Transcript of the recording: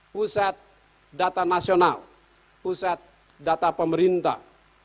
pusat data nasional pusat data pemerintah